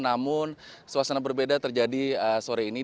namun suasana berbeda terjadi sore ini